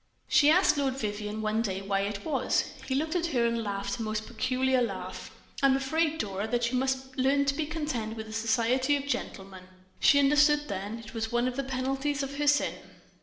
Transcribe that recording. She asked Lord Vivianne one day why it was. He looked at her and laughed a most peculiar laugh. "I am afraid, Dora, that you must learn to be content with the society of gentlemen." She understood, then, it was one of the penalties of her sin.